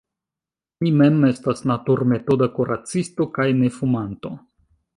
Mi mem estas naturmetoda kuracisto kaj nefumanto.